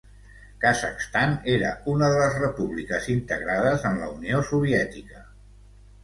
Kazakhstan era una de les repúbliques integrades en la Unió Soviètica.